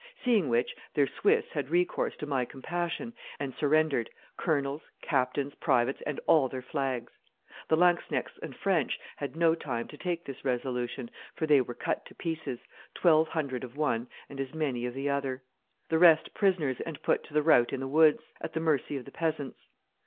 Seeing which, their Swiss had recourse to my compassion, and surrendered, colonels, captains, privates, and all their flags. The lanzknechts and French had no time to take this resolution, for they were cut to pieces, twelve hundred of one and as many of the other; the rest prisoners and put to the rout in the woods, at the mercy of the peasants.